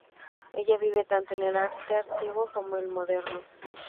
Ella vive tanto el arte antiguo, como el moderno.